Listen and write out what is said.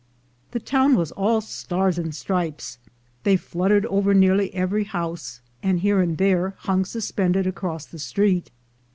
The town was all stars and stripes; they fluttered over nearly every house, and here and there hung suspended across the street.